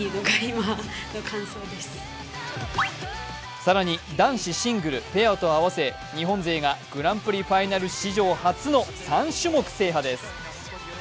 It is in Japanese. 更に男子シングル、ペアと合わせ日本勢が、グランプリファイナル史上初の３種目制覇です。